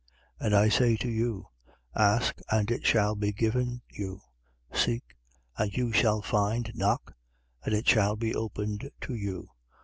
11:9. And I say to you: Ask, and it shall be given you: seek, and you shall find: knock, and it shall be opened to you.